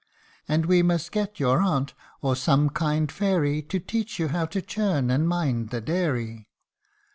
And we must get your aunt, or some kind fairy To teach you how to churn and mind the dairy."